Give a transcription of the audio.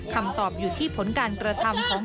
คำตอบอยู่ที่ผลการกระทำของ